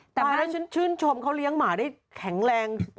แต่ไม่ได้ฉันชื่นชมเขาเลี้ยงหมาได้แข็งแรง